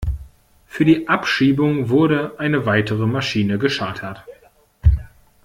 Für die Abschiebung wurde eine weitere Maschine gechartert.